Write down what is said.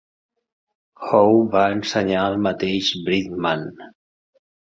Howe va ensenyar al mateix Bridgman.